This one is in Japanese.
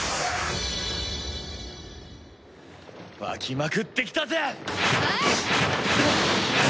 沸きまくってきたぜ！